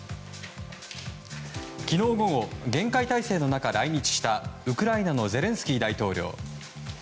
昨日午後、厳戒態勢の中来日したウクライナのゼレンスキー大統領。